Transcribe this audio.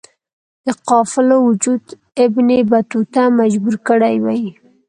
د قافلو وجود ابن بطوطه مجبور کړی وی.